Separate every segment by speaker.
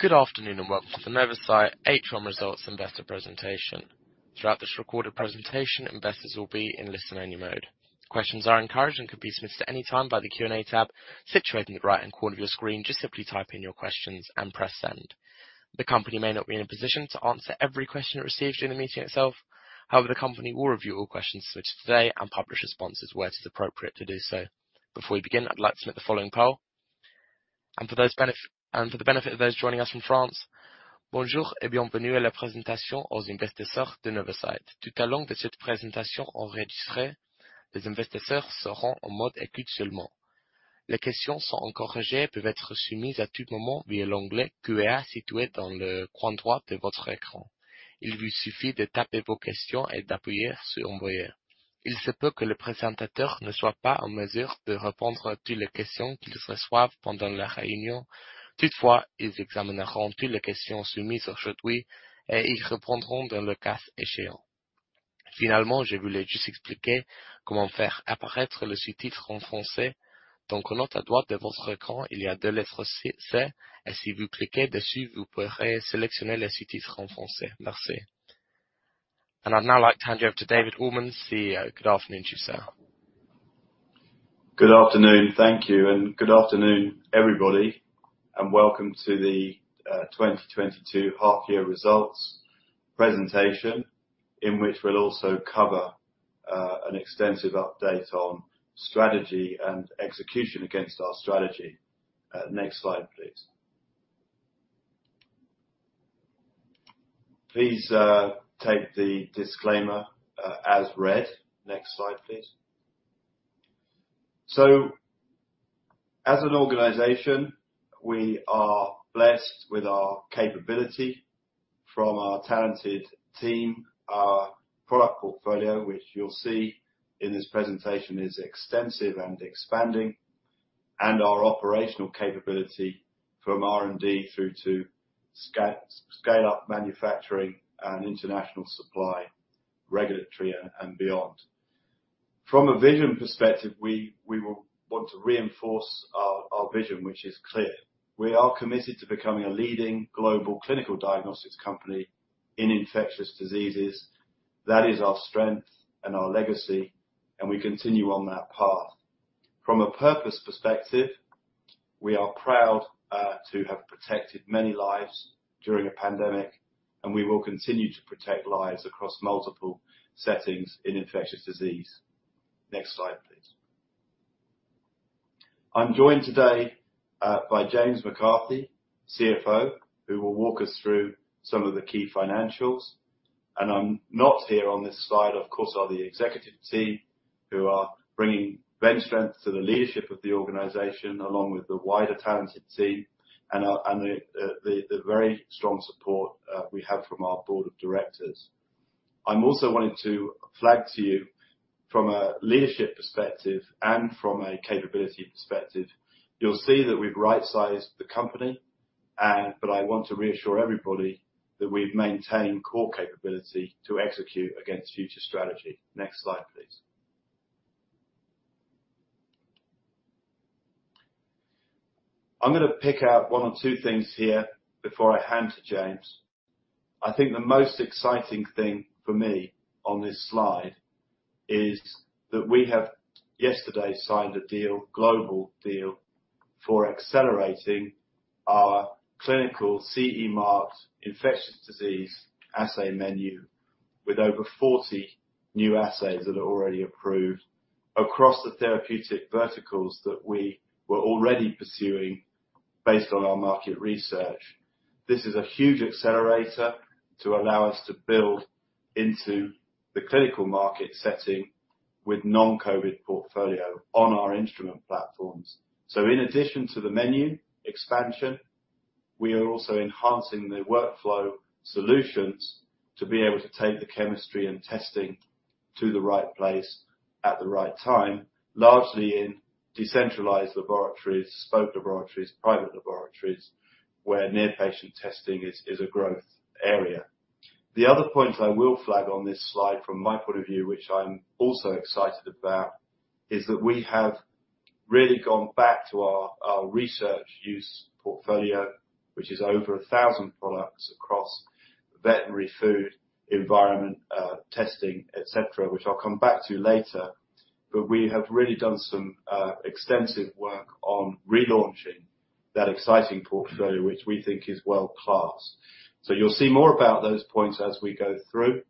Speaker 1: Good afternoon, and welcome to the Novacyt H1 results investor presentation. Throughout this recorded presentation, investors will be in listen only mode. Questions are encouraged and could be submitted any time via the Q&A tab situated in the right-hand corner of your screen. Just simply type in your questions and press Send. The company may not be in a position to answer every question it receives during the meeting itself. However, the company will review all questions submitted today and publish responses where it is appropriate to do so. Before we begin, I'd like to make the following poll. For the benefit of those joining us from France, I'd now like to hand you over to David Allmond, CEO. Good afternoon to you, sir.
Speaker 2: Good afternoon. Thank you. Good afternoon, everybody, and welcome to the 2022 half year results presentation, in which we'll also cover an extensive update on strategy and execution against our strategy. Next slide, please. Please, take the disclaimer as read. Next slide, please. As an organization, we are blessed with our capability from our talented team. Our product portfolio, which you'll see in this presentation, is extensive and expanding, and our operational capability from R&D through to scale up manufacturing and international supply, regulatory and beyond. From a vision perspective, we want to reinforce our vision, which is clear. We are committed to becoming a leading global clinical diagnostics company in infectious diseases. That is our strength and our legacy, and we continue on that path. From a purpose perspective, we are proud to have protected many lives during a pandemic, and we will continue to protect lives across multiple settings in infectious disease. Next slide, please. I'm joined today by James McCarthy, CFO, who will walk us through some of the key financials. I'm not here on this slide, of course, are the executive team who are bringing great strength to the leadership of the organization, along with the wider talented team and the very strong support we have from our board of directors. I'm also wanting to flag to you from a leadership perspective and from a capability perspective, you'll see that we've right-sized the company and but I want to reassure everybody that we've maintained core capability to execute against future strategy. Next slide, please. I'm gonna pick out one or two things here before I hand to James. I think the most exciting thing for me on this slide is that we have yesterday signed a deal, global deal for accelerating our clinical CE marked infectious disease assay menu with over 40 new assays that are already approved across the therapeutic verticals that we were already pursuing based on our market research. This is a huge accelerator to allow us to build into the clinical market setting with non-COVID portfolio on our instrument platforms. In addition to the menu expansion, we are also enhancing the workflow solutions to be able to take the chemistry and testing to the right place at the right time, largely in decentralized laboratories, spoke laboratories, private laboratories, where near patient testing is a growth area. The other point I will flag on this slide from my point of view, which I'm also excited about, is that we have really gone back to our research use portfolio, which is over 1,000 products across veterinary food, environment, testing, et cetera, which I'll come back to later. But we have really done some extensive work on relaunching that exciting portfolio, which we think is world-class. So you'll see more about those points as we go through.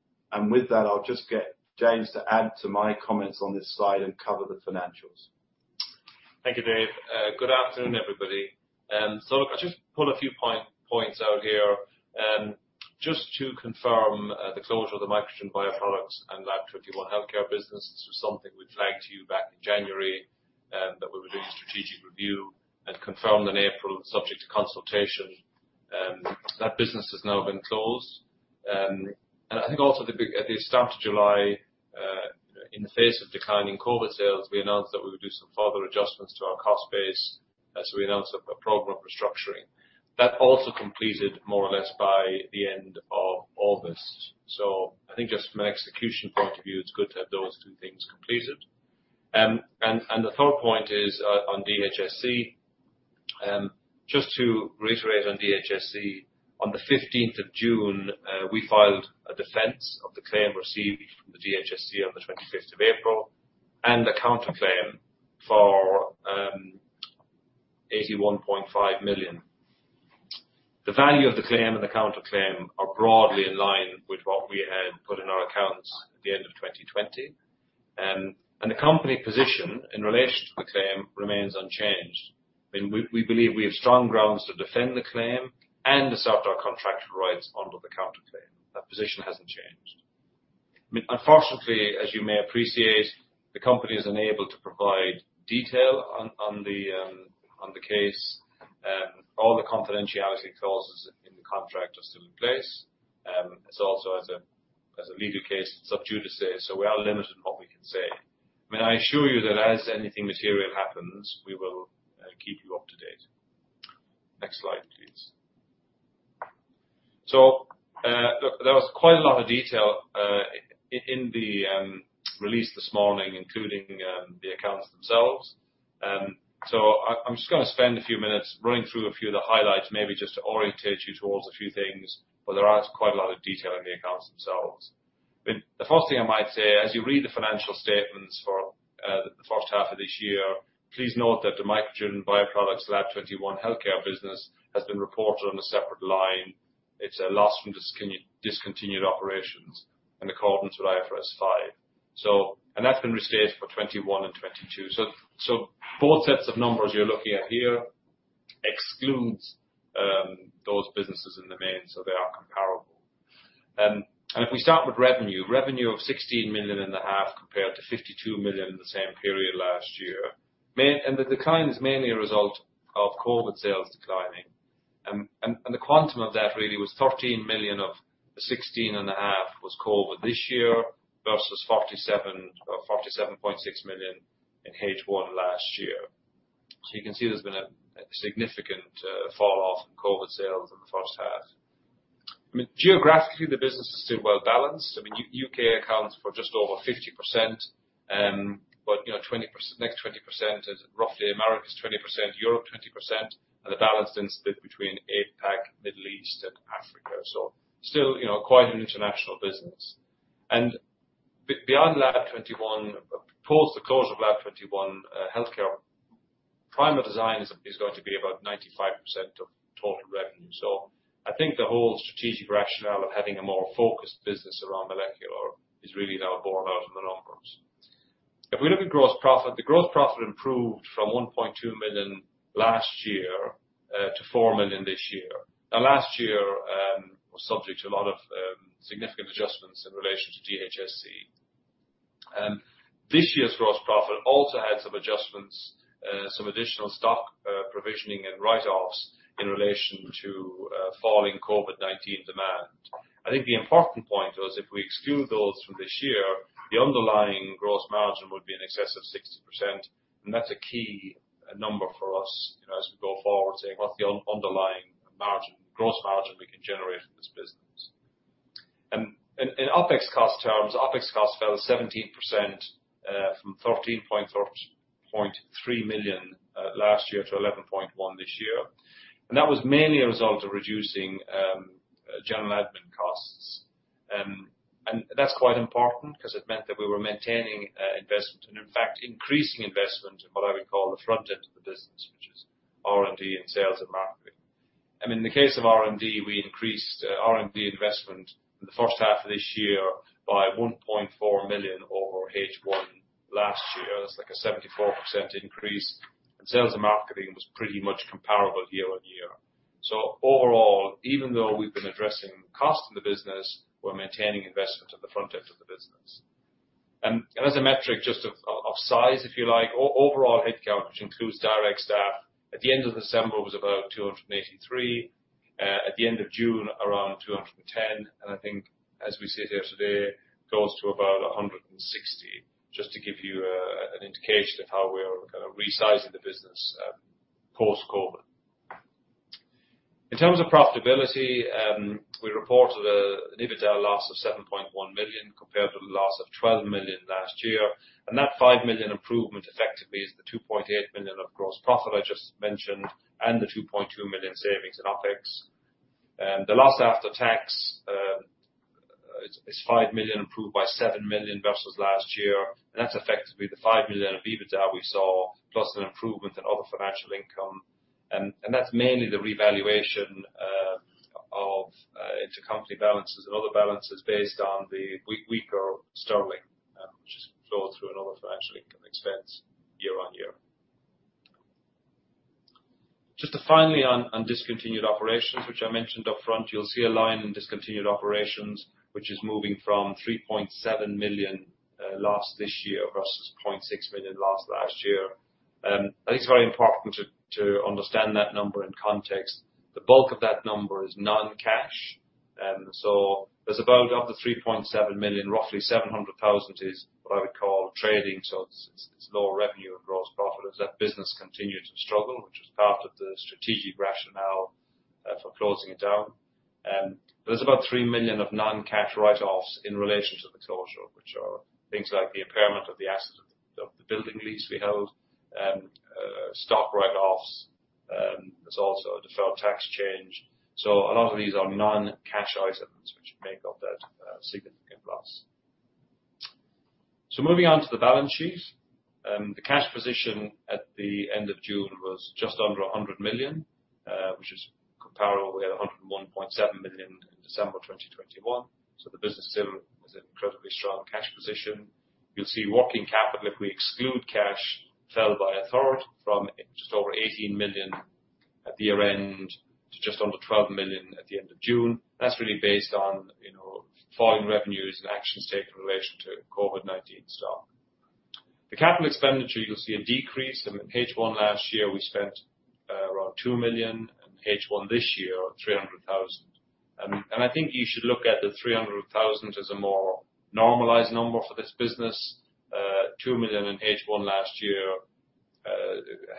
Speaker 2: With that, I'll just get James to add to my comments on this slide and cover the financials.
Speaker 3: Thank you, Dave. Good afternoon, everybody. Look, I'll just pull a few points out here, just to confirm, the closure of the Microgen Bioproducts and Lab21 Healthcare business. This was something we flagged to you back in January, that we were doing a strategic review and confirmed in April subject to consultation. That business has now been closed. I think also at the start of July, you know, in the face of declining COVID sales, we announced that we would do some further adjustments to our cost base as we announced a program for structuring. That also completed more or less by the end of August. I think just from an execution point of view, it's good to have those two things completed. The third point is on DHSC. Just to reiterate on DHSC, on the 15th of June, we filed a defense of the claim received from the DHSC on the 25th of April and a counterclaim for 81.5 million. The value of the claim and the counterclaim are broadly in line with what we had put in our accounts at the end of 2020. The company position in relation to the claim remains unchanged, and we believe we have strong grounds to defend the claim and to assert our contractual rights under the counterclaim. That position hasn't changed. I mean, unfortunately, as you may appreciate, the company is unable to provide detail on the case. All the confidentiality clauses in the contract are still in place. It's also as a legal case, it's sub judice, so we are limited in what we can say. I mean, I assure you that as anything material happens, we will keep you up to date. Next slide, please. Look, there was quite a lot of detail in the release this morning, including the accounts themselves. I'm just gonna spend a few minutes running through a few of the highlights, maybe just to orientate you towards a few things, but there are quite a lot of detail in the accounts themselves. The first thing I might say, as you read the financial statements for the first half of this year, please note that the Microgen Bioproducts Lab21 Healthcare business has been reported on a separate line. It's a loss from discontinued operations in accordance with IFRS 5. And that's been restaged for 2021 and 2022. Both sets of numbers you're looking at here exclude those businesses in the main, so they are comparable. And if we start with revenue of 16.5 million compared to 52 million in the same period last year. The decline is mainly a result of COVID sales declining. And the quantum of that really was 13 million of the 16.5 million was COVID this year versus 47 million or 47.6 million in H1 last year. You can see there's been a significant fall-off in COVID sales in the first half. I mean, geographically, the business is still well-balanced. I mean, U.K. accounts for just over 50%, but, you know, 20% next 20% is roughly Americas 20%, Europe 20%, and the balance then split between APAC, Middle East, and Africa. Still, you know, quite an international business. Beyond Lab21, post the close of Lab21 Healthcare, Primerdesign is going to be about 95% of total revenue. I think the whole strategic rationale of having a more focused business around molecular is really now borne out in the numbers. If we look at gross profit, the gross profit improved from 1.2 million last year to 4 million this year. Now last year was subject to a lot of significant adjustments in relation to DHSC. This year's gross profit also had some adjustments, some additional stock, provisioning and write-offs in relation to falling COVID-19 demand. I think the important point was if we exclude those from this year, the underlying gross margin would be in excess of 60%, and that's a key number for us, you know, as we go forward, saying what's the underlying margin, gross margin we can generate from this business. In OpEx cost terms, OpEx costs fell 17% from 13.43 million last year to 11.1 million this year. That was mainly a result of reducing general admin costs. That's quite important because it meant that we were maintaining investment and, in fact, increasing investment in what I would call the front end of the business, which is R&D and sales and marketing. I mean, in the case of R&D, we increased R&D investment in the first half of this year by 1.4 million over H1 last year. That's like a 74% increase. Sales and marketing was pretty much comparable year-on-year. Overall, even though we've been addressing costs in the business, we're maintaining investment at the front edge of the business. As a metric just of size, if you like, overall headcount, which includes direct staff, at the end of December was about 283. At the end of June, around 210. I think as we sit here today, goes to about 160, just to give you an indication of how we are kind of resizing the business post-COVID. In terms of profitability, we reported an EBITDA loss of 7.1 million compared to the loss of 12 million last year. That 5 million improvement effectively is the 2.8 million of gross profit I just mentioned and the 2.2 million savings in OpEx. The loss after tax, it's 5 million improved by 7 million versus last year. That's effectively the 5 million of EBITDA we saw, plus an improvement in other financial income. That's mainly the revaluation of intercompany balances and other balances based on the weaker sterling, which has flowed through in all of our financial income and expense year-on-year. Just finally on discontinued operations, which I mentioned up front, you'll see a line in discontinued operations, which is moving from 3.7 million loss this year versus 0.6 million loss last year. I think it's very important to understand that number in context. The bulk of that number is non-cash. So there's about, of the 3.7 million, roughly 700,000 is what I would call trading. It's lower revenue, gross profit as that business continued to struggle, which was part of the strategic rationale for closing it down. There's about 3 million of non-cash write-offs in relation to the closure, which are things like the impairment of the assets of the building lease we held, stock write-offs. There's also a deferred tax charge. A lot of these are non-cash items which make up that significant loss. Moving on to the balance sheet. The cash position at the end of June was just under 100 million, which is comparable. We had 101.7 million in December 2021. The business still has an incredibly strong cash position. You'll see working capital, if we exclude cash, fell by 1/3 from just over 18 million at the year-end to just under 12 million at the end of June. That's really based on, you know, falling revenues and actions taken in relation to COVID-19 stock. The capital expenditure, you'll see a decrease. In H1 last year, we spent around 2 million. In H1 this year, 300,000. I think you should look at the 300,000 as a more normalized number for this business. 2 million in H1 last year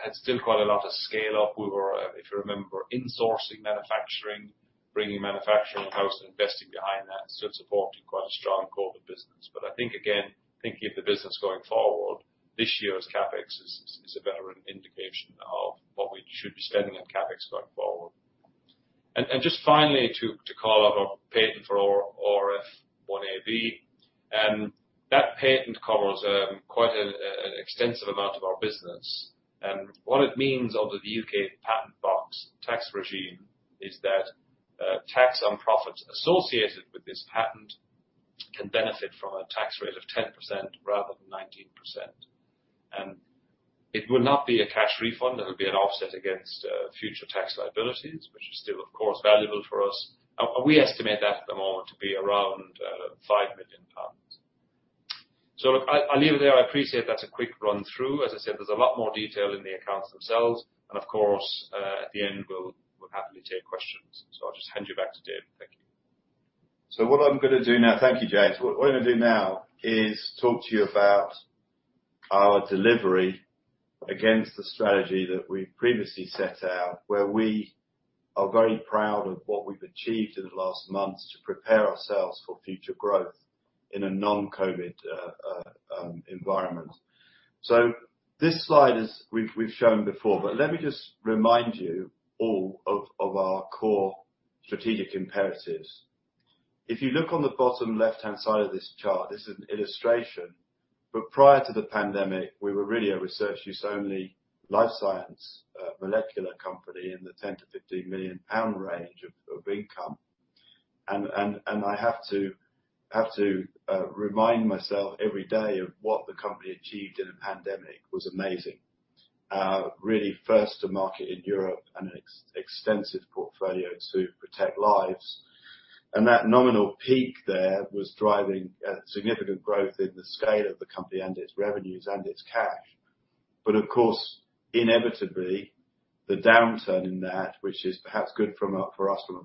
Speaker 3: had still quite a lot of scale-up. We were, if you remember, insourcing manufacturing, bringing manufacturing in-house and investing behind that, still supporting quite a strong COVID business. I think, again, thinking of the business going forward, this year's CapEx is a better indication of what we should be spending on CapEx going forward. Just finally to call out our patent for ORF1ab. That patent covers quite an extensive amount of our business. What it means under the U.K. Patent Box tax regime is that tax on profits associated with this patent can benefit from a tax rate of 10% rather than 19%. It would not be a cash refund. It would be an offset against future tax liabilities, which is still of course valuable for us. We estimate that at the moment to be around 5 million pounds. Look, I leave it there. I appreciate that's a quick run through. As I said, there's a lot more detail in the accounts themselves. Of course, at the end, we'll happily take questions. I'll just hand you back to David. Thank you.
Speaker 2: Thank you, James. What I'm gonna do now is talk to you about our delivery against the strategy that we previously set out, where we are very proud of what we've achieved in the last months to prepare ourselves for future growth in a non-COVID environment. This slide, we've shown before, but let me just remind you all of our core strategic imperatives. If you look on the bottom left-hand side of this chart, this is an illustration. Prior to the pandemic, we were really a research use only life science molecular company in the 10 million-15 million pound range of income. I have to remind myself every day of what the company achieved in the pandemic was amazing. Really first to market in Europe and an extensive portfolio to protect lives. That nominal peak there was driving significant growth in the scale of the company and its revenues and its cash. Of course, inevitably, the downturn in that, which is perhaps good from a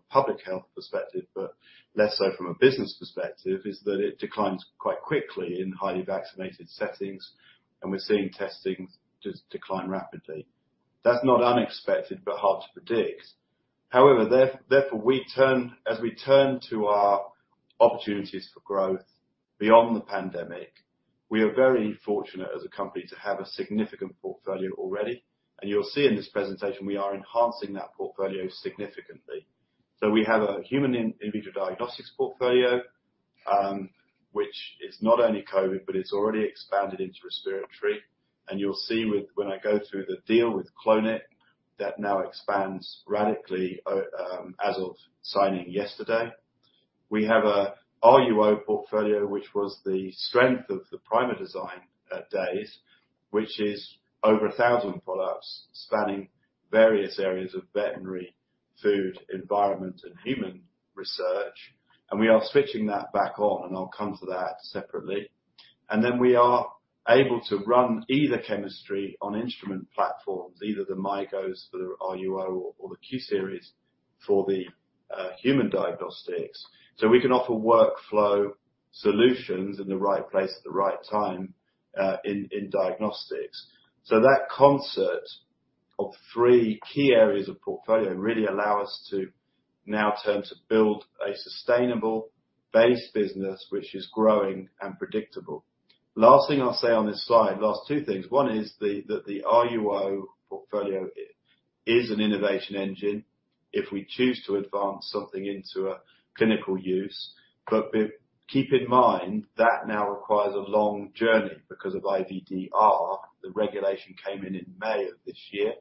Speaker 2: public health perspective, but less so from a business perspective, is that it declines quite quickly in highly vaccinated settings, and we're seeing testing just decline rapidly. That's not unexpected, but hard to predict. However, therefore, we turn to our opportunities for growth beyond the pandemic, we are very fortunate as a company to have a significant portfolio already. You'll see in this presentation, we are enhancing that portfolio significantly. We have a human in vitro diagnostics portfolio, which is not only COVID but it's already expanded into respiratory. You'll see with the deal with Clonit, that now expands radically as of signing yesterday. We have a RUO portfolio, which was the strength of the Primerdesign days, which is over 1,000 products spanning various areas of veterinary, food, environment, and human research. We are switching that back on and I'll come to that separately. Then we are able to run either chemistry on instrument platforms, either the MyGo for the RUO or the q series for the human diagnostics. We can offer workflow solutions in the right place at the right time in diagnostics. That concept of three key areas of portfolio really allow us to now turn to build a sustainable base business which is growing and predictable. Last thing I'll say on this slide, last two things. One is that the RUO portfolio is an innovation engine if we choose to advance something into a clinical use. But keep in mind, that now requires a long journey because of IVDR. The regulation came in May of this year.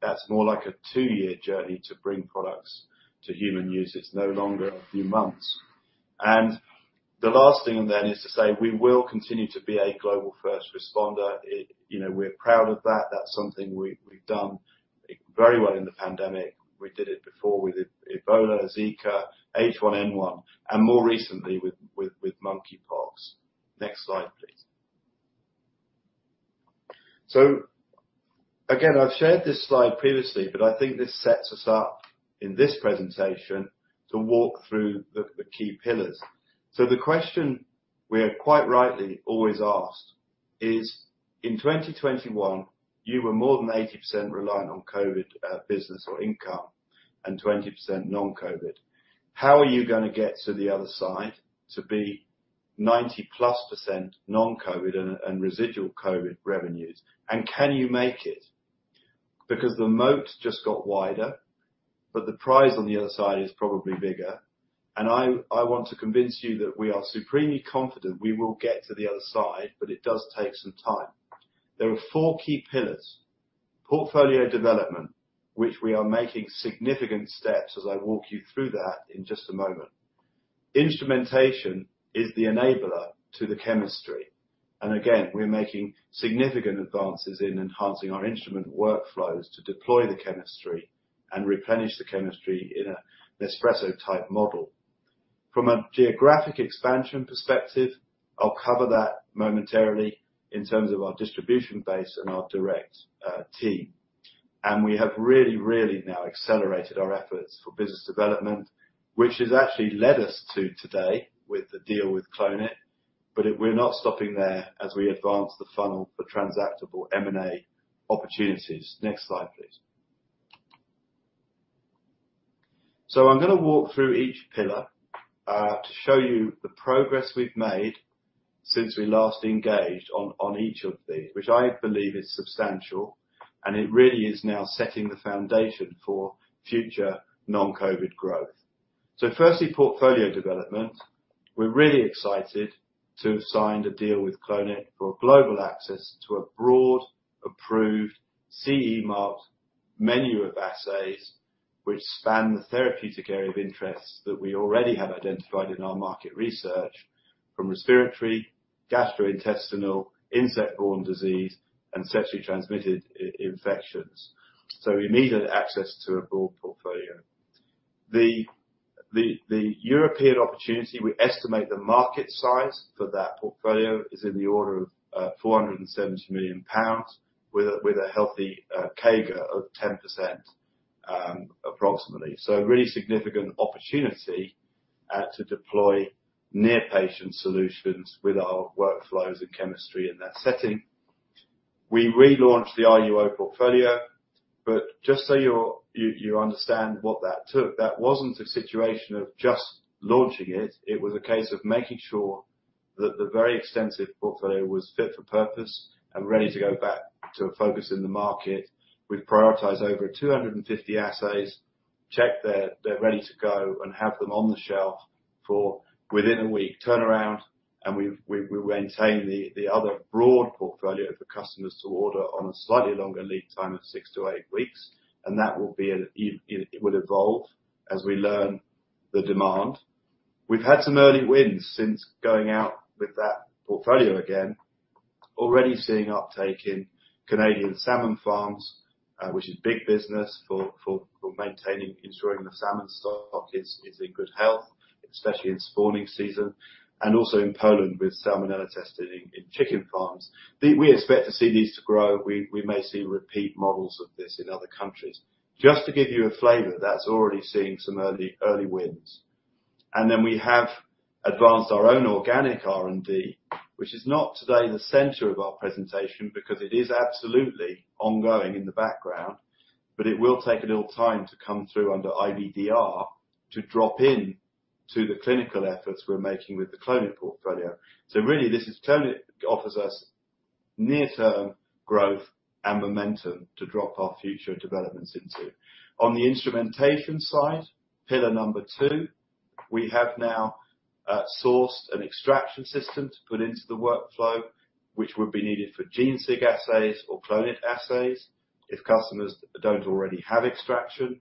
Speaker 2: That's more like a 2-year journey to bring products to human use. It's no longer a few months. The last thing then is to say, we will continue to be a global first responder. You know, we're proud of that. That's something we've done very well in the pandemic. We did it before with Ebola, Zika, H1N1, and more recently with monkeypox. Next slide, please. Again, I've shared this slide previously, but I think this sets us up in this presentation to walk through the key pillars. The question we are quite rightly always asked is, in 2021, you were more than 80% reliant on COVID business or income and 20% non-COVID. How are you gonna get to the other side to be 90%+ non-COVID and residual COVID revenues? Can you make it? Because the moat just got wider, but the prize on the other side is probably bigger. I want to convince you that we are supremely confident we will get to the other side, but it does take some time. There are four key pillars. Portfolio development, which we are making significant steps as I walk you through that in just a moment. Instrumentation is the enabler to the chemistry. Again, we're making significant advances in enhancing our instrument workflows to deploy the chemistry and replenish the chemistry in an espresso-type model. From a geographic expansion perspective, I'll cover that momentarily in terms of our distribution base and our direct team. We have really now accelerated our efforts for business development, which has actually led us to today with the deal with Clonit. We're not stopping there as we advance the funnel for transactable M&A opportunities. Next slide, please. I'm gonna walk through each pillar to show you the progress we've made since we last engaged on each of these, which I believe is substantial, and it really is now setting the foundation for future non-COVID growth. Firstly, portfolio development. We're really excited to have signed a deal with Clonit for global access to a broad approved CE marked menu of assays which span the therapeutic area of interest that we already have identified in our market research from respiratory, gastrointestinal, insect-borne disease, and sexually transmitted infections. Immediate access to a broad portfolio. The European opportunity, we estimate the market size for that portfolio is in the order of 470 million pounds with a healthy CAGR of 10%, approximately. A really significant opportunity to deploy near-patient solutions with our workflows and chemistry in that setting. We relaunched the RUO portfolio, but just so you're you understand what that took. That wasn't a situation of just launching it was a case of making sure that the very extensive portfolio was fit for purpose and ready to go back to a focus in the market. We've prioritized over 250 assays, checked they're ready to go and have them on the shelf for within a week turnaround, and we maintain the other broad portfolio for customers to order on a slightly longer lead time of 6-8 weeks. That will be, it will evolve as we learn the demand. We've had some early wins since going out with that portfolio again. Already seeing uptake in Canadian salmon farms, which is big business for maintaining, ensuring the salmon stock is in good health, especially in spawning season, and also in Poland with Salmonella testing in chicken farms. We expect to see these to grow. We may see repeat models of this in other countries. Just to give you a flavor, that's already seeing some early wins. We have advanced our own organic R&D, which is not today the center of our presentation because it is absolutely ongoing in the background, but it will take a little time to come through under IVDR to drop in to the clinical efforts we're making with the Clonit portfolio. Really, this is Clonit offers us near-term growth and momentum to drop our future developments into. On the instrumentation side, pillar number two, we have now sourced an extraction system to put into the workflow, which would be needed for genesig assays or Clonit assays if customers don't already have extraction.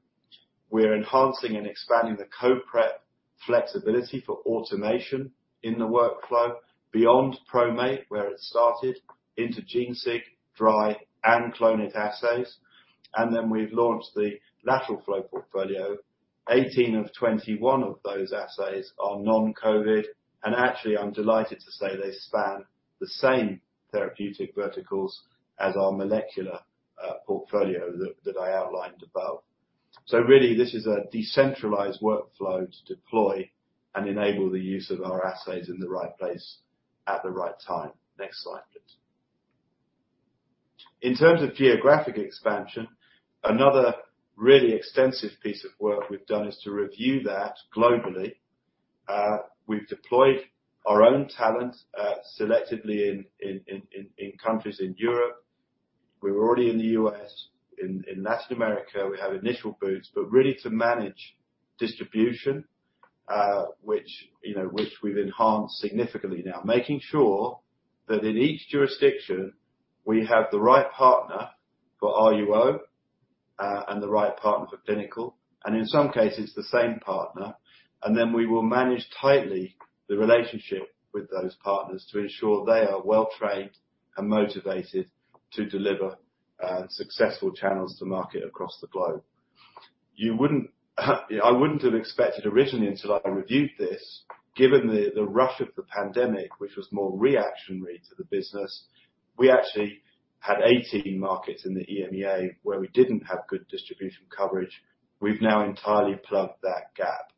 Speaker 2: We're enhancing and expanding the CO-Prep flexibility for automation in the workflow beyond PROmate, where it started, into genesig, dry and Clonit assays. We've launched the lateral flow portfolio. 18 of 21 of those assays are non-COVID. Actually, I'm delighted to say they span the same therapeutic verticals as our molecular portfolio that I outlined above. Really this is a decentralized workflow to deploy and enable the use of our assays in the right place at the right time. Next slide, please. In terms of geographic expansion, another really extensive piece of work we've done is to review that globally. We've deployed our own talent, selectively in countries in Europe. We're already in the U.S. In Latin America, we have initial boots, but really to manage distribution, which, you know, we've enhanced significantly now. Making sure that in each jurisdiction we have the right partner for RUO, and the right partner for clinical, and in some cases the same partner. Then we will manage tightly the relationship with those partners to ensure they are well-trained and motivated to deliver successful channels to market across the globe. I wouldn't have expected originally until I reviewed this, given the rush of the pandemic, which was more reactionary to the business. We actually had 18 markets in the EMEA where we didn't have good distribution coverage. We've now entirely plugged that gap.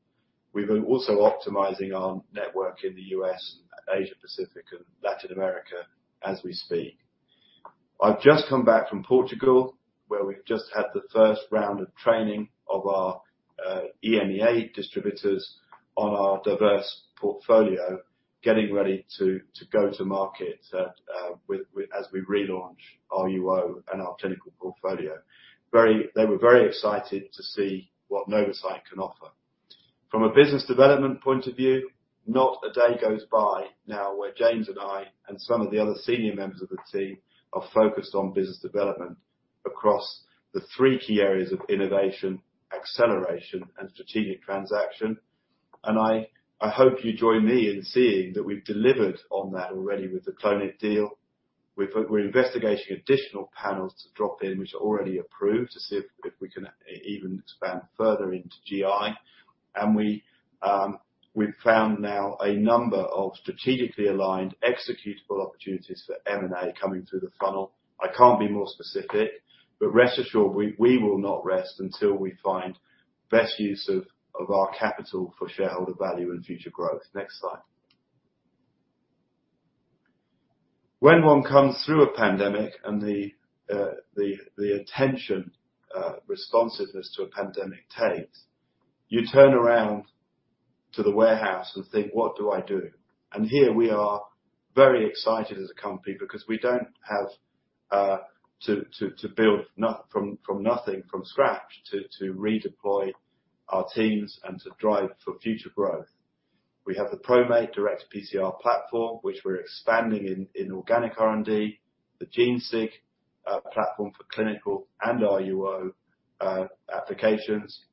Speaker 2: We've been also optimizing our network in the U.S., and Asia Pacific, and Latin America as we speak. I've just come back from Portugal, where we've just had the first round of training of our EMEA distributors on our diverse portfolio, getting ready to go to market as we relaunch our RUO and our clinical portfolio. They were very excited to see what Novacyt can offer. From a business development point of view, not a day goes by now where James and I, and some of the other senior members of the team are focused on business development across the three key areas of innovation, acceleration, and strategic transaction. I hope you join me in seeing that we've delivered on that already with the Clonit deal. We're investigating additional panels to drop in which are already approved, to see if we can even expand further into GI. We've found now a number of strategically aligned executable opportunities for M&A coming through the funnel. I can't be more specific, but rest assured we will not rest until we find best use of our capital for shareholder value and future growth. Next slide. When one comes through a pandemic and the attention, responsiveness to a pandemic takes, you turn around to the warehouse and think, "What do I do?" Here we are very excited as a company because we don't have to build from nothing, from scratch to redeploy our teams and to drive for future growth. We have the PROmate direct PCR platform, which we're expanding in organic R&D, the genesig platform for clinical and RUO applications.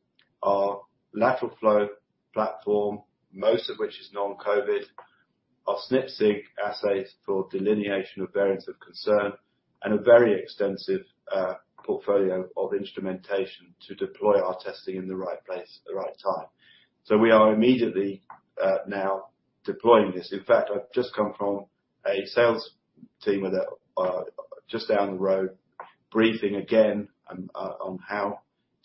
Speaker 2: Our lateral flow platform, most of which is non-COVID. Our SNPsig assays for delineation of variants of concern, and a very extensive portfolio of instrumentation to deploy our testing in the right place at the right time. We are immediately now deploying this. In fact, I've just come from a sales team that's just down the road, briefing again on how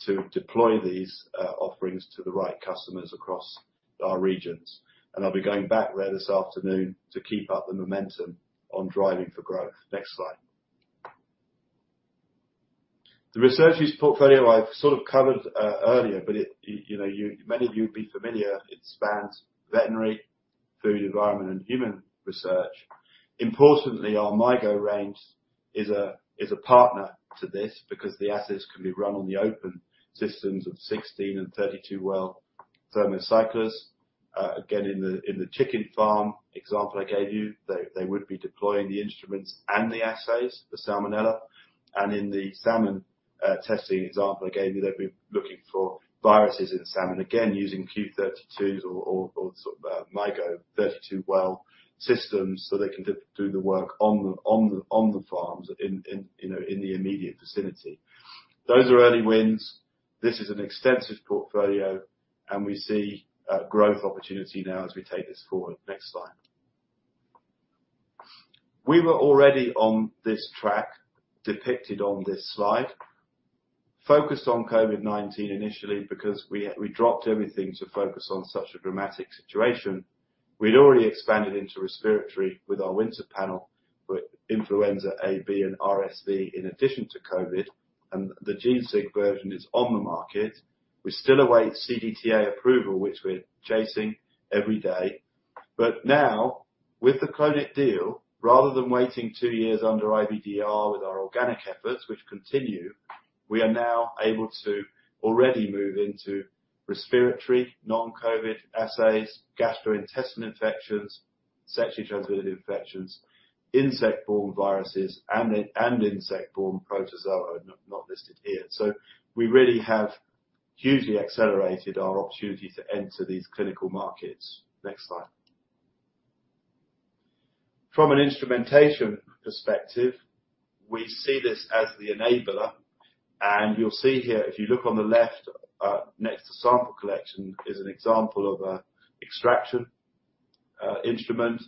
Speaker 2: to deploy these offerings to the right customers across our regions. I'll be going back there this afternoon to keep up the momentum on driving for growth. Next slide. The research use portfolio I've sort of covered earlier, but it, you know, many of you would be familiar. It spans veterinary, food, environment, and human research. Importantly, our MyGo range is a partner to this because the assets can be run on the open systems of 16 and 32 well thermocyclers. Again, in the chicken farm example I gave you, they would be deploying the instruments and the assays, the Salmonella. In the salmon testing example I gave you, they'd be looking for viruses in the salmon, again, using Q32s or sort of MyGo 32 well systems, so they can do the work on the farms in, you know, in the immediate vicinity. Those are early wins. This is an extensive portfolio, and we see growth opportunity now as we take this forward. Next slide. We were already on this track depicted on this slide. Focused on COVID-19 initially because we dropped everything to focus on such a dramatic situation. We'd already expanded into respiratory with our winter panel with influenza A, B, and RSV, in addition to COVID, and the genesig version is on the market. We still await CTDA approval, which we're chasing every day. Now with the Clonit deal, rather than waiting 2 years under IVDR with our organic efforts, which continue, we are now able to already move into respiratory, non-COVID assays, gastrointestinal infections, sexually transmitted infections, insect-borne viruses and insect-borne protozoa not listed here. We really have hugely accelerated our opportunity to enter these clinical markets. Next slide. From an instrumentation perspective, we see this as the enabler. You'll see here, if you look on the left, next to sample collection is an example of an extraction instrument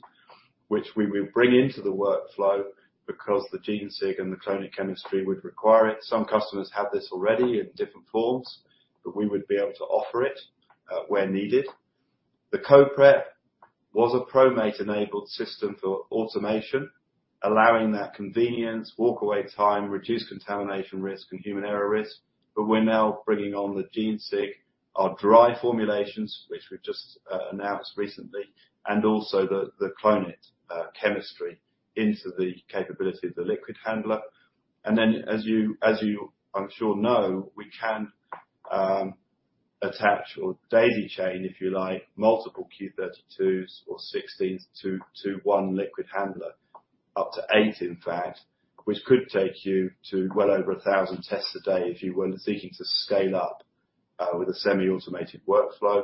Speaker 2: which we will bring into the workflow because the genesig and the Clonit chemistry would require it. Some customers have this already in different forms, but we would be able to offer it where needed. The CO-Prep was a PROmate-enabled system for automation, allowing that convenience, walk away time, reduced contamination risk and human error risk, but we're now bringing on the genesig, our dry formulations, which we've just announced recently, and also the Clonit chemistry into the capability of the liquid handler. Then as you I'm sure know, we can attach or daisy chain, if you like, multiple Q32s or sixteens to one liquid handler. Up to 8, in fact, which could take you to well over 1,000 tests a day if you were seeking to scale up with a semi-automated workflow.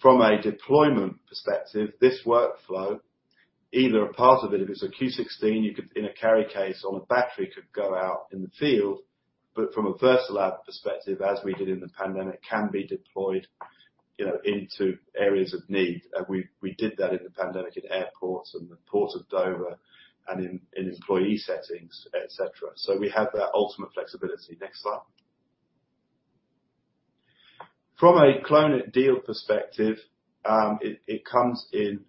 Speaker 2: From a deployment perspective, this workflow, either a part of it, if it's a q16, you could in a carry case on a battery go out in the field. From a VersaLab perspective, as we did in the pandemic, can be deployed, you know, into areas of need. We did that in the pandemic at airports and the Port of Dover and in employee settings, et cetera. We have that ultimate flexibility. Next slide. From a Clonit deal perspective, it comes in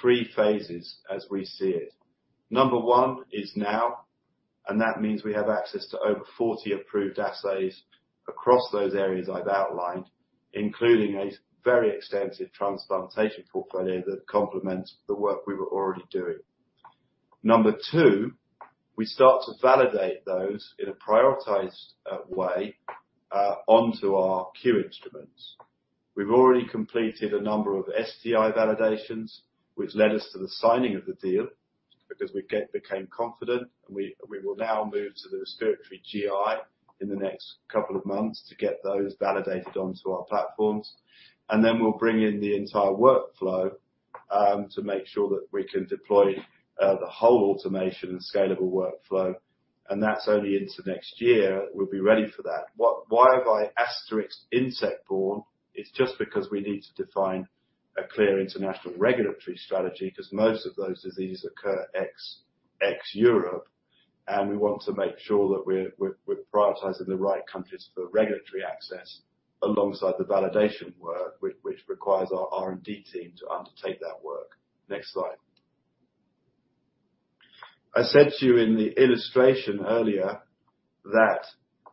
Speaker 2: 3 phases as we see it. Number 1 is now, and that means we have access to over 40 approved assays across those areas I've outlined, including a very extensive transplantation portfolio that complements the work we were already doing. Number 2, we start to validate those in a prioritized way onto our Q instruments. We've already completed a number of STI validations, which led us to the signing of the deal because we became confident and we will now move to the respiratory GI in the next couple of months to get those validated onto our platforms. We'll bring in the entire workflow to make sure that we can deploy the whole automation and scalable workflow, and that's only into next year we'll be ready for that. Why have I asterisked insect borne? It's just because we need to define a clear international regulatory strategy because most of those diseases occur ex-Europe, and we want to make sure that we're prioritizing the right countries for regulatory access alongside the validation work, which requires our R&D team to undertake that work. Next slide. I said to you in the illustration earlier that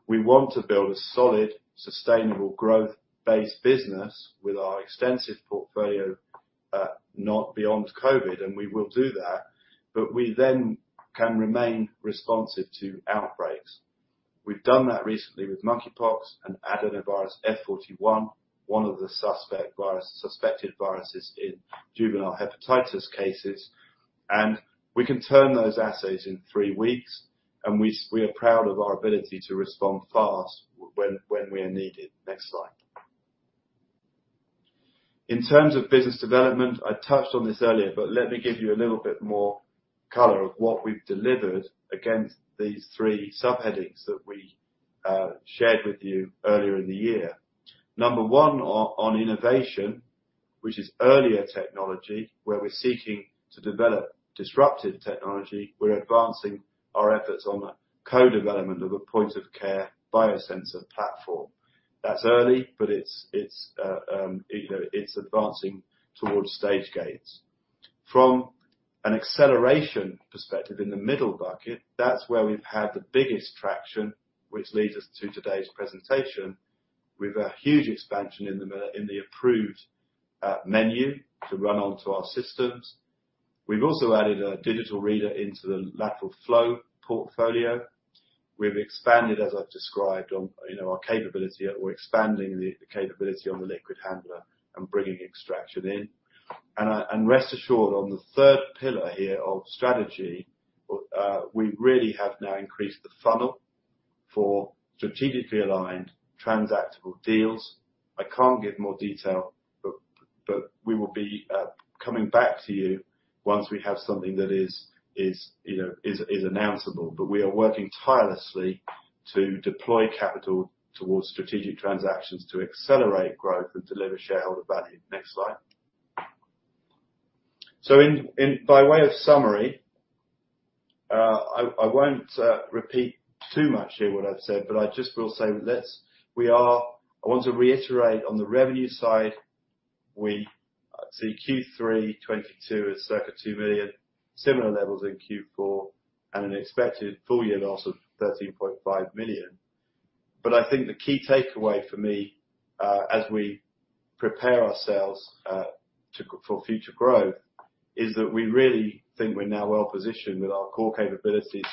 Speaker 2: we want to build a solid, sustainable growth-based business with our extensive portfolio, not beyond COVID, and we will do that, but we then can remain responsive to outbreaks. We've done that recently with monkeypox and adenovirus F41, one of the suspected viruses in juvenile hepatitis cases. We can turn those assays in three weeks, and we are proud of our ability to respond fast when we are needed. Next slide. In terms of business development, I touched on this earlier, but let me give you a little bit more color of what we've delivered against these three subheadings that we shared with you earlier in the year. Number one on innovation, which is early technology, where we're seeking to develop disruptive technology. We're advancing our efforts on the co-development of a point of care biosensor platform. That's early, but you know, it's advancing towards stage gates. From an acceleration perspective in the middle bucket, that's where we've had the biggest traction, which leads us to today's presentation with a huge expansion in the approved menu to run onto our systems. We've also added a digital reader into the lateral flow portfolio. We've expanded, as I've described on, you know, our capability. We're expanding the capability on the liquid handler and bringing extraction in. Rest assured, on the third pillar here of strategy, we really have now increased the funnel for strategically aligned transactable deals. I can't give more detail, but we will be coming back to you once we have something that is, you know, announceable. We are working tirelessly to deploy capital towards strategic transactions to accelerate growth and deliver shareholder value. Next slide. In by way of summary, I won't repeat too much here what I've said, but I just will say this. I want to reiterate on the revenue side, we see Q3 2022 is circa 2 million, similar levels in Q4, and an expected full year loss of 13.5 million. I think the key takeaway for me, as we prepare ourselves for future growth, is that we really think we're now well positioned with our core capabilities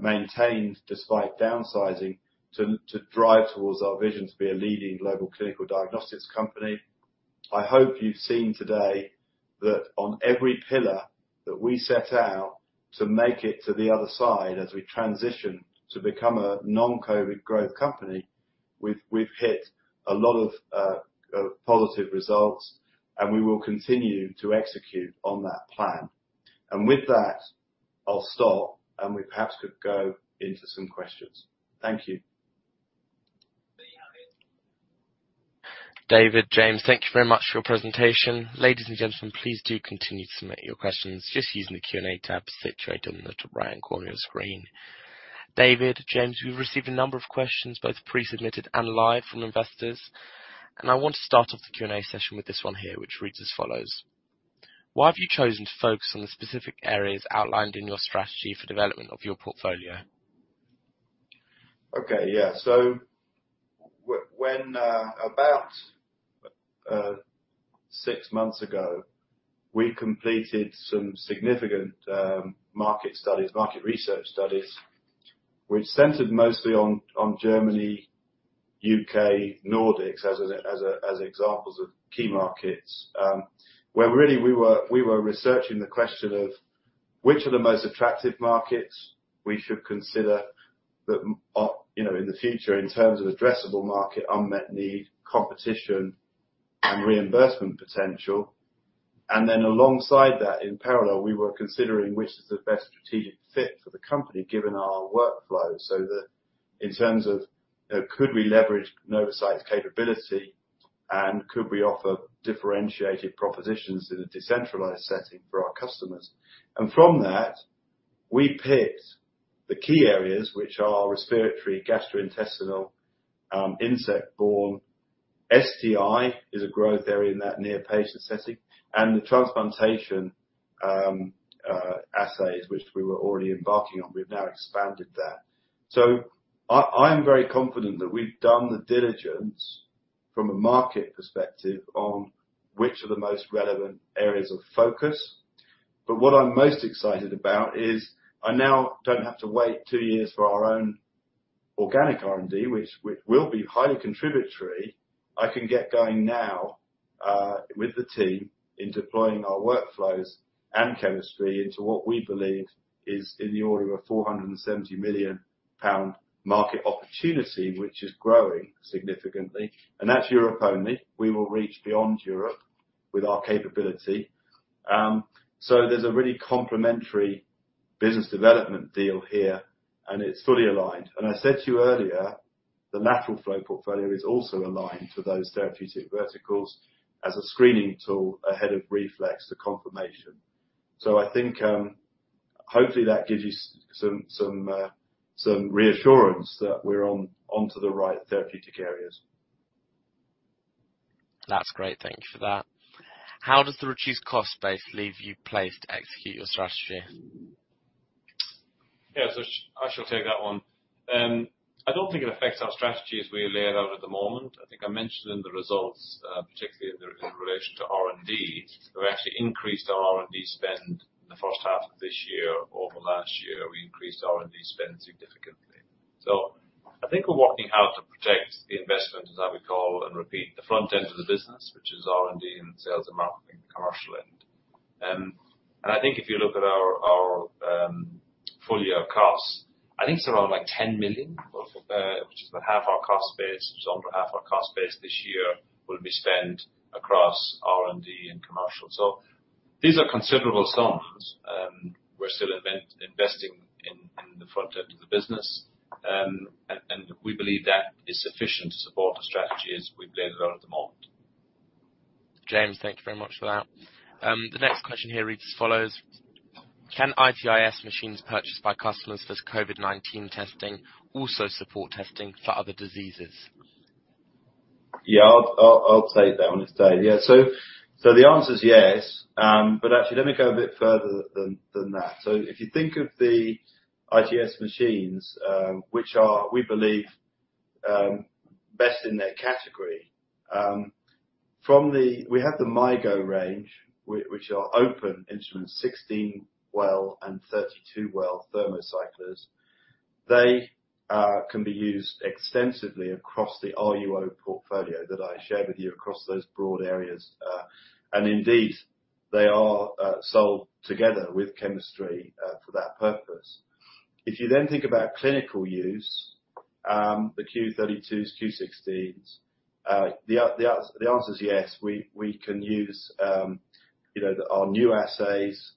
Speaker 2: maintained despite downsizing, to drive towards our vision to be a leading global clinical diagnostics company. I hope you've seen today that on every pillar that we set out to make it to the other side as we transition to become a non-COVID growth company, we've hit a lot of positive results, and we will continue to execute on that plan. With that, I'll stop, and we perhaps could go into some questions. Thank you.
Speaker 1: David, James, thank you very much for your presentation. Ladies and gentlemen, please do continue to submit your questions, just using the Q&A tab situated on the top right corner of your screen. David, James, we've received a number of questions both pre-submitted and live from investors. I want to start off the Q&A session with this one here, which reads as follows: Why have you chosen to focus on the specific areas outlined in your strategy for development of your portfolio?
Speaker 2: When about six months ago, we completed some significant market studies, market research studies, which centered mostly on Germany, U.K., Nordics as examples of key markets, where really we were researching the question of which are the most attractive markets we should consider that, you know, in the future, in terms of addressable market, unmet need, competition and reimbursement potential. Alongside that, in parallel, we were considering which is the best strategic fit for the company, given our workflow, so that in terms of could we leverage Novacyt's capability and could we offer differentiated propositions in a decentralized setting for our customers. From that, we picked the key areas which are respiratory, gastrointestinal, insect borne. STI is a growth area in that near patient setting, and the transplantation assays which we were already embarking on, we've now expanded that. I'm very confident that we've done the diligence from a market perspective on which are the most relevant areas of focus. What I'm most excited about is I now don't have to wait 2 years for our own organic R&D, which will be highly contributory. I can get going now with the team in deploying our workflows and chemistry into what we believe is in the order of 470 million pound market opportunity, which is growing significantly. That's Europe only. We will reach beyond Europe with our capability. There's a really complementary business development deal here, and it's fully aligned. I said to you earlier, the lateral flow portfolio is also aligned for those therapeutic verticals as a screening tool ahead of reflex to confirmation. I think, hopefully that gives you some reassurance that we're onto the right therapeutic areas.
Speaker 1: That's great. Thank you for that. How does the reduced cost base leave you placed to execute your strategy?
Speaker 3: Yes, I shall take that one. I don't think it affects our strategy as we lay it out at the moment. I think I mentioned in the results, particularly in relation to R&D, we've actually increased our R&D spend in the first half of this year over last year, we increased R&D spend significantly. I think we're working out how to protect the investment, as I would call and repeat, the front end of the business, which is R&D and sales and marketing, commercial end. I think if you look at our full year costs, I think it's around like 10 million, which is about half our cost base. Just under half our cost base this year will be spent across R&D and commercial. These are considerable sums. We're still investing in the front end of the business. We believe that is sufficient to support the strategy as we lay it out at the moment.
Speaker 1: James, thank you very much for that. The next question here reads as follows: Can IT-IS machines purchased by customers for COVID-19 testing also support testing for other diseases?
Speaker 2: I'll take that one this time. Yeah. The answer is yes. But actually let me go a bit further than that. If you think of the IT-IS machines, which are, we believe, best in their category. We have the MyGo range, which are open instruments, 16-well and 32-well thermocyclers. They can be used extensively across the RUO portfolio that I shared with you across those broad areas. Indeed, they are sold together with chemistry for that purpose. If you then think about clinical use, the Q32s, Q16s, the answer is yes. We can use, you know, our new assays,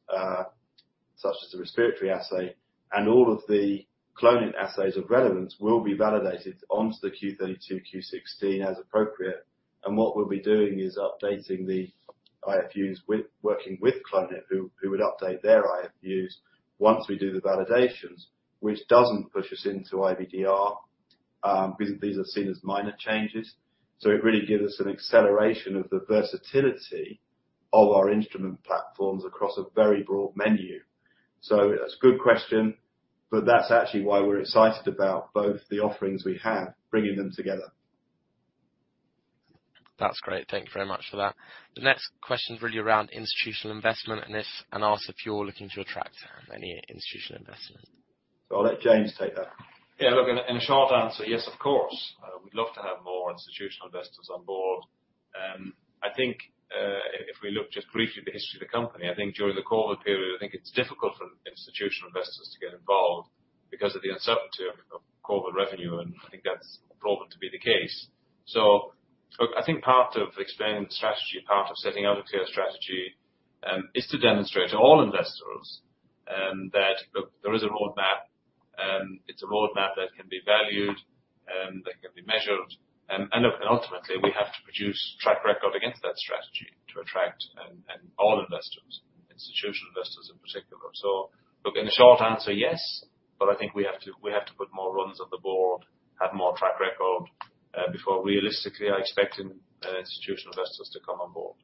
Speaker 2: such as the respiratory assay, and all of the Clonit assays of relevance will be validated onto the Q32, Q16 as appropriate. What we'll be doing is updating the IFUs by working with Clonit who would update their IFUs once we do the validations, which doesn't push us into IVDR, because these are seen as minor changes. It really gives us an acceleration of the versatility of our instrument platforms across a very broad menu. That's a good question, but that's actually why we're excited about both the offerings we have, bringing them together.
Speaker 1: That's great. Thank you very much for that. The next question is really around institutional investment and asks if you're looking to attract any institutional investors.
Speaker 2: I'll let James take that.
Speaker 3: Yeah. Look, in short answer, yes, of course. We'd love to have more institutional investors on board. I think, if we look just briefly at the history of the company, I think during the COVID period, I think it's difficult for institutional investors to get involved because of the uncertainty of COVID revenue, and I think that's proven to be the case. Look, I think part of explaining the strategy, part of setting out a clear strategy, is to demonstrate to all investors, that look, there is a roadmap, it's a roadmap that can be valued, that can be measured, and look, and ultimately we have to produce track record against that strategy to attract and all investors, institutional investors in particular. Look, in the short answer, yes, but I think we have to put more runs on the board, have more track record, before realistically expecting institutional investors to come on board.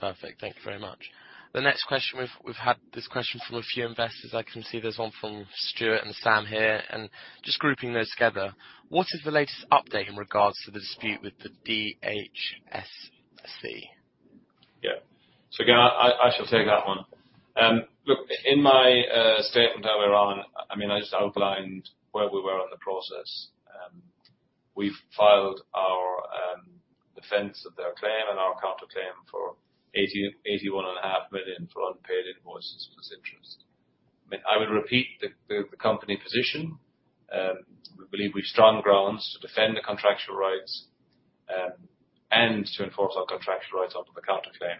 Speaker 1: Perfect. Thank you very much. The next question, we've had this question from a few investors. I can see there's one from Stuart and Sam here, and just grouping those together. What is the latest update in regards to the dispute with the DHSC?
Speaker 3: Yeah. Again, I shall take that one. Look, in my statement earlier on, I mean, I just outlined where we were on the process. We've filed our defense of their claim and our counterclaim for 81.5 million for unpaid invoices plus interest. I mean, I would repeat the company position. We believe we've strong grounds to defend the contractual rights and to enforce our contractual rights under the counterclaim.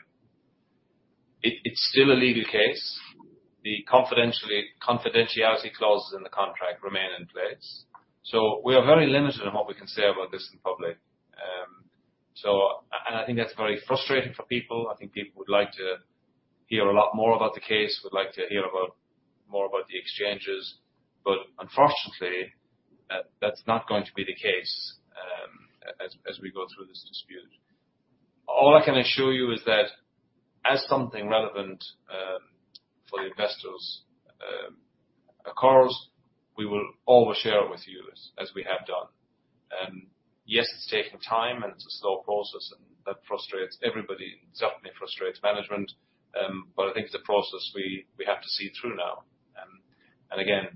Speaker 3: It's still a legal case. The confidentiality clauses in the contract remain in place. We are very limited in what we can say about this in public. I think that's very frustrating for people. I think people would like to hear a lot more about the case, would like to hear about the exchanges, but unfortunately, that's not going to be the case, as we go through this dispute. All I can assure you is that as something relevant for the investors occurs, we will always share it with you as we have done. Yes, it's taking time and it's a slow process and that frustrates everybody. It certainly frustrates management. I think it's a process we have to see through now. Again,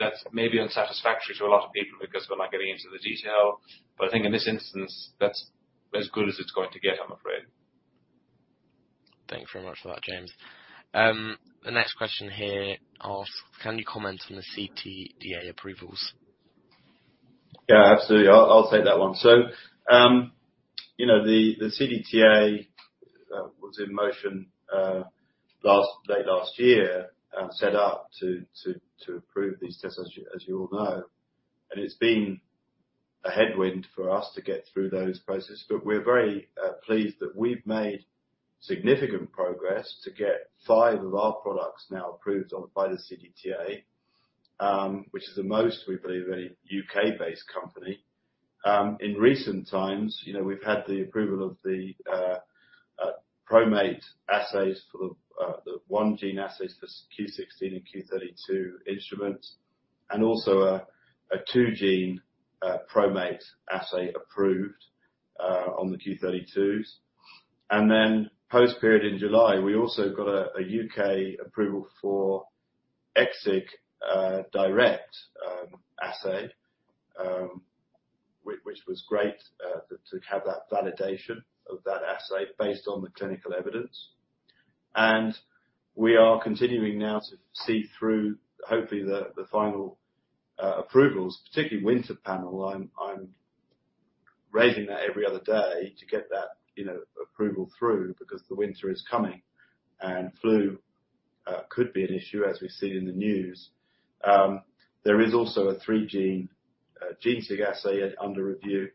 Speaker 3: that's maybe unsatisfactory to a lot of people because we're not getting into the detail. I think in this instance, that's as good as it's going to get, I'm afraid.
Speaker 1: Thank you very much for that, James. The next question here asks, "Can you comment on the CTDA approvals?
Speaker 2: Yeah, absolutely. I'll take that one. You know, the CTDA was in motion late last year, set up to approve these tests, as you all know. It's been a headwind for us to get through those processes, but we're very pleased that we've made significant progress to get five of our products now approved by the CTDA, which is the most we believe any U.K.-based company. In recent times, you know, we've had the approval of the PROmate assays for the one-gene assays for q16 and q32 instruments, and also a two-gene PROmate assay approved on the q32s. Then post period in July, we also got a UK approval for genesig Direct assay, which was great to have that validation of that assay based on the clinical evidence. We are continuing now to see through, hopefully, the final approvals, particularly winter panel. I'm raising that every other day to get that, you know, approval through because the winter is coming and flu could be an issue as we've seen in the news. There is also a three-gene genesig assay under review.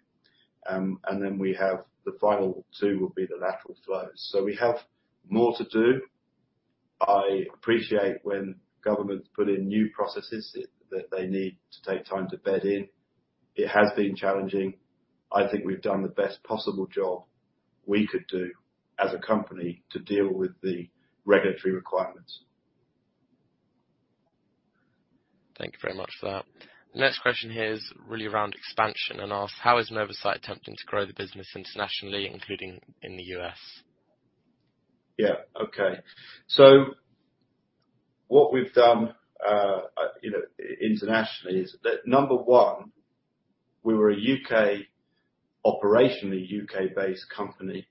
Speaker 2: And then we have the final two will be the lateral flows. We have more to do. I appreciate when governments put in new processes that they need to take time to bed in. It has been challenging. I think we've done the best possible job we could do as a company to deal with the regulatory requirements.
Speaker 1: Thank you very much for that. The next question here is really around expansion and asks, "How is Novacyt attempting to grow the business internationally, including in the U.S.?
Speaker 2: Yeah. Okay. What we've done, you know, internationally is that number one, we were a U.K. operation, a U.K.-based company,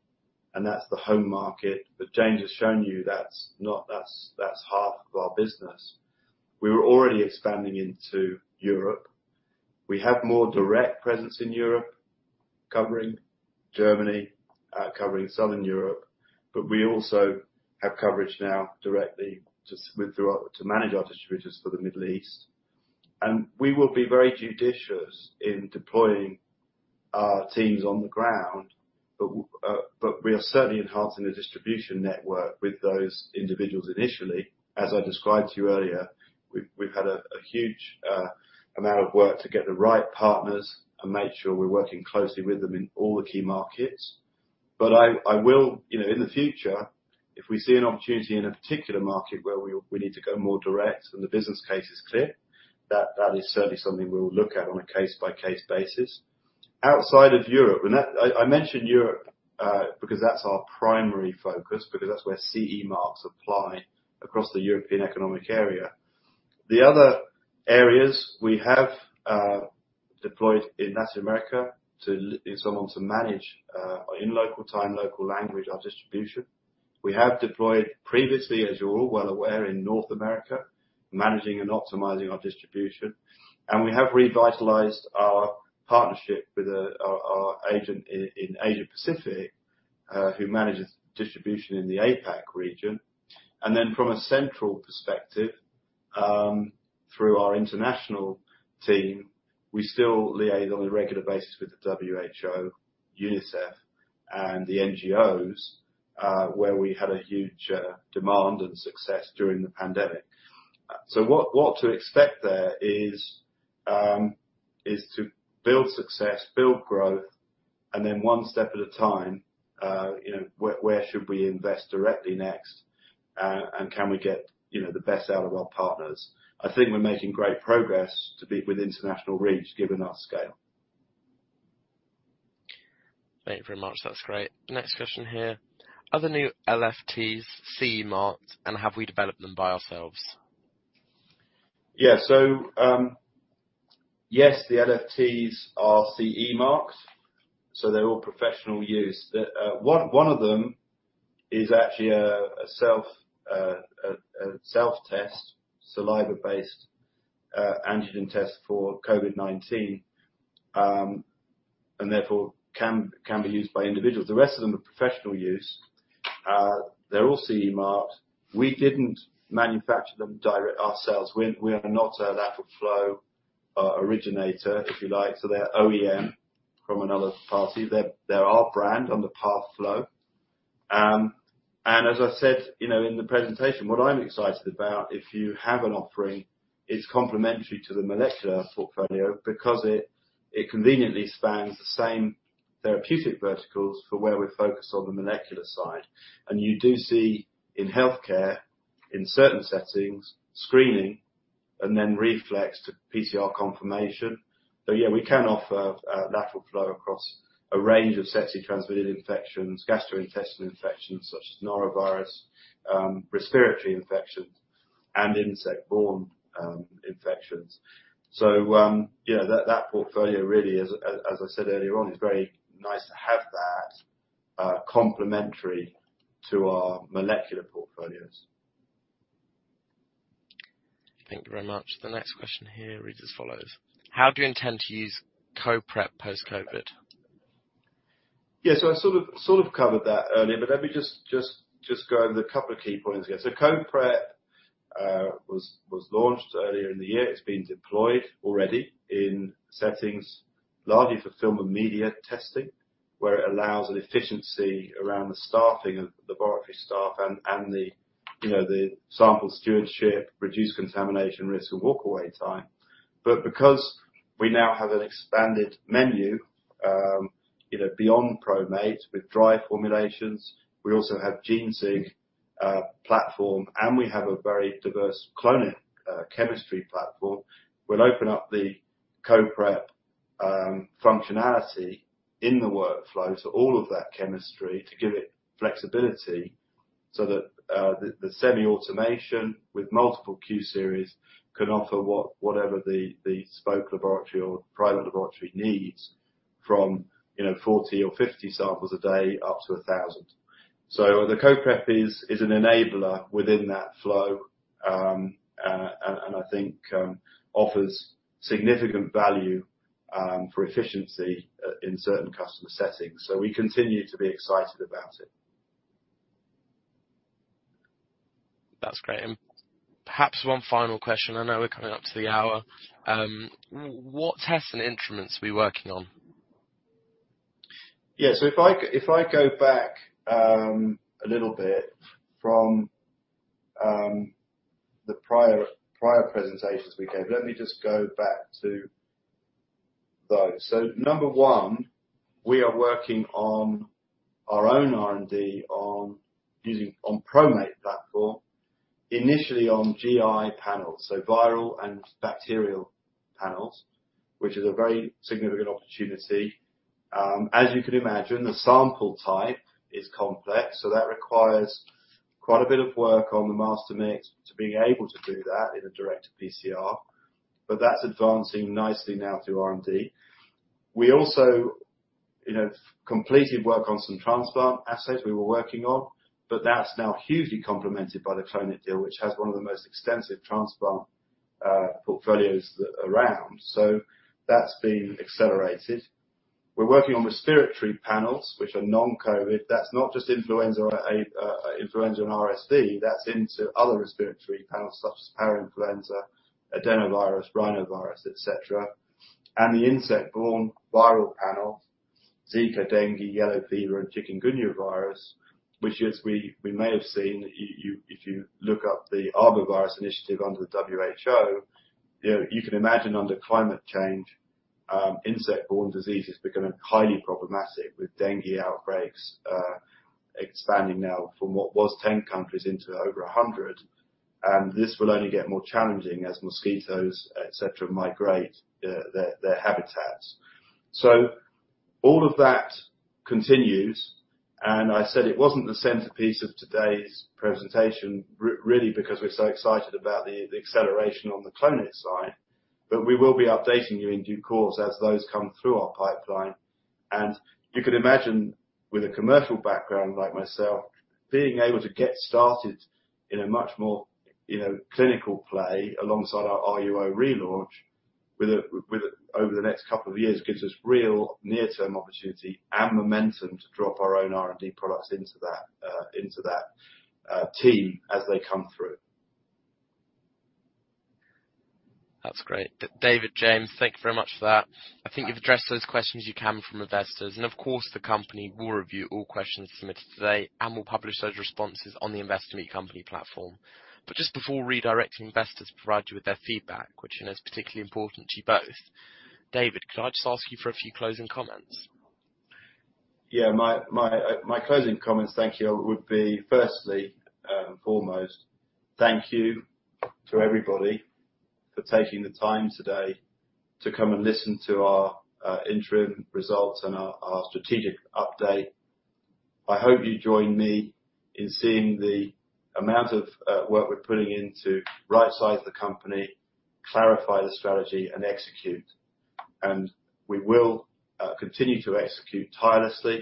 Speaker 2: and that's the home market. James has shown you that's not. That's half of our business. We were already expanding into Europe. We have more direct presence in Europe, covering Germany, covering Southern Europe, but we also have coverage now directly to manage our distributors for the Middle East. We will be very judicious in deploying our teams on the ground. We are certainly enhancing the distribution network with those individuals initially. As I described to you earlier, we've had a huge amount of work to get the right partners and make sure we're working closely with them in all the key markets. I will. You know, in the future, if we see an opportunity in a particular market where we need to go more direct and the business case is clear, that is certainly something we'll look at on a case-by-case basis. Outside of Europe, I mentioned Europe because that's our primary focus, because that's where CE marks apply across the European Economic Area. The other areas we have deployed in Latin America to someone to manage in local time, local language, our distribution. We have deployed previously, as you're all well aware, in North America, managing and optimizing our distribution. We have revitalized our partnership with our agent in Asia Pacific who manages distribution in the APAC region. From a central perspective, through our international team, we still liaise on a regular basis with the WHO, UNICEF and the NGOs, where we had a huge demand and success during the pandemic. What to expect there is to build success, build growth, and then one step at a time, you know, where should we invest directly next, and can we get, you know, the best out of our partners. I think we're making great progress to be with international reach, given our scale.
Speaker 1: Thank you very much. That's great. Next question here. Are the new LFTs CE marked, and have we developed them by ourselves?
Speaker 2: Yeah. Yes, the LFTs are CE marked, so they're all professional use. One of them is actually a self-test, saliva-based antigen test for COVID-19, and therefore can be used by individuals. The rest of them are professional use. They're all CE marked. We didn't manufacture them directly ourselves. We are not a lateral flow originator, if you like, so they're OEM from another party. They're our brand on the PathFlow. As I said, you know, in the presentation, what I'm excited about, if you have an offering, it's complementary to the molecular portfolio because it conveniently spans the same therapeutic verticals for where we're focused on the molecular side. You do see in healthcare, in certain settings, screening and then reflex PCR confirmation. Yeah, we can offer lateral flow across a range of sexually transmitted infections, gastrointestinal infections such as norovirus, respiratory infections and insect-borne infections. That portfolio really, as I said earlier on, is very nice to have that complementary to our molecular portfolios.
Speaker 1: Thank you very much. The next question here reads as follows: How do you intend to use CO-Prep post-COVID?
Speaker 2: Yeah. I sort of covered that earlier, but let me just go over the couple of key points here. CO-Prep was launched earlier in the year. It's been deployed already in settings, largely for film and media testing, where it allows an efficiency around the staffing of the laboratory staff and the, you know, sample stewardship, reduced contamination risk and walkaway time. Because we now have an expanded menu, you know, beyond PROmate with dry formulations, we also have genesig platform, and we have a very diverse Clonit chemistry platform, we'll open up the CO-Prep functionality in the workflow to all of that chemistry to give it flexibility so that the semi-automation with multiple q series can offer whatever the spoke laboratory or private laboratory needs from, you know, 40 or 50 samples a day up to 1,000. The CO-Prep is an enabler within that flow, and I think offers significant value for efficiency in certain customer settings. We continue to be excited about it.
Speaker 1: That's great. Perhaps one final question. I know we're coming up to the hour. What tests and instruments are we working on?
Speaker 2: If I go back a little bit from the prior presentations we gave. Let me just go back to those. Number one, we are working on our own R&D on using the PROmate platform, initially on GI panels, so viral and bacterial panels, which is a very significant opportunity. As you can imagine, the sample type is complex, so that requires quite a bit of work on the master mix to be able to do that in a direct PCR, but that's advancing nicely now through R&D. We also completed work on some transplant assets we were working on, but that's now hugely complemented by the Clonit deal, which has one of the most extensive transplant portfolios around. That's been accelerated. We're working on respiratory panels, which are non-COVID. That's not just influenza and RSV. That's into other respiratory panels such as parainfluenza, adenovirus, rhinovirus, et cetera. The insect-borne viral panel, Zika, dengue, yellow fever and chikungunya virus, which as we may have seen, you, if you look up the Arbovirus Initiative under the WHO, you can imagine under climate change, insect-borne disease is becoming highly problematic with dengue outbreaks expanding now from what was 10 countries into over 100. This will only get more challenging as mosquitoes, et cetera, migrate their habitats. All of that continues, and I said it wasn't the centerpiece of today's presentation really because we're so excited about the acceleration on the Clonit side. We will be updating you in due course as those come through our pipeline. You can imagine with a commercial background like myself, being able to get started in a much more, you know, clinical play alongside our RUO relaunch over the next couple of years, gives us real near-term opportunity and momentum to drop our own R&D products into that team as they come through.
Speaker 1: That's great. David, James, thank you very much for that. I think you've addressed those questions you can from investors, and of course, the company will review all questions submitted today and will publish those responses on the Investor Meet Company platform. Just before redirecting investors to provide you with their feedback, which I know is particularly important to you both, David, could I just ask you for a few closing comments?
Speaker 2: My closing comments, thank you, would be firstly, foremost, thank you to everybody for taking the time today to come and listen to our interim results and our strategic update. I hope you join me in seeing the amount of work we're putting in to rightsize the company, clarify the strategy and execute. We will continue to execute tirelessly,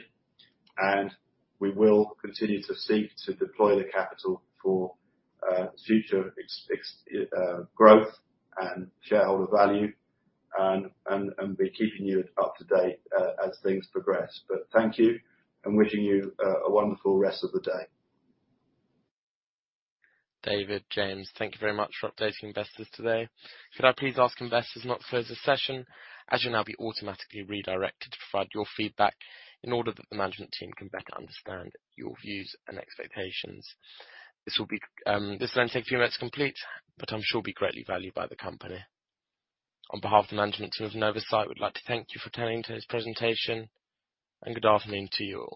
Speaker 2: and we will continue to seek to deploy the capital for future growth and shareholder value and be keeping you up to date as things progress. Thank you, and wishing you a wonderful rest of the day.
Speaker 1: David, James, thank you very much for updating investors today. Could I please ask investors not to close the session, as you'll now be automatically redirected to provide your feedback in order that the management team can better understand your views and expectations? This will then take a few minutes to complete, but I'm sure will be greatly valued by the company. On behalf of the management team of Novacyt, we'd like to thank you for attending today's presentation, and good afternoon to you all.